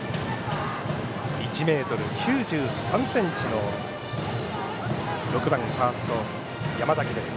１ｍ９３ｃｍの６番ファースト山崎です。